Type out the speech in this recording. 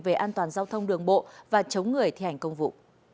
về an toàn giao thông đường bộ và chống người thi hành công vụ